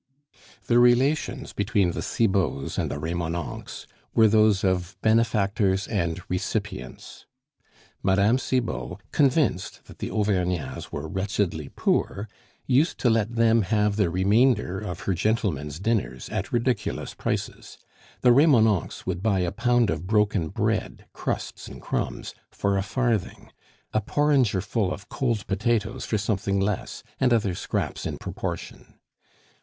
The relations between the Cibots and the Remonencqs were those of benefactors and recipients. Mme. Cibot, convinced that the Auvergnats were wretchedly poor, used to let them have the remainder of "her gentlemen's" dinners at ridiculous prices. The Remonencqs would buy a pound of broken bread, crusts and crumbs, for a farthing, a porringer full of cold potatoes for something less, and other scraps in proportion.